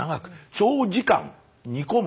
長時間煮込む。